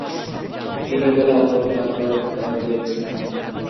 দিনের বেলা আক্রমণ না করার কোনো কারণ দেখছি না।